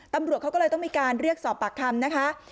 ตำรวจเขาก็เลยต้องมีการเรียกสอบปากคำนะคะ